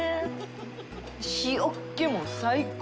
塩っ気も最高。